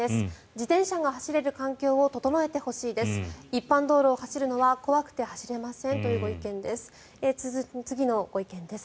自転車が走れる環境を整えてほしいです。